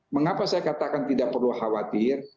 mengapa saya katakan tidak perlu khawatir